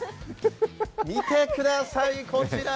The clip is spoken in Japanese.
見てください、こちら。